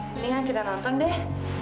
mendingan kita nonton deh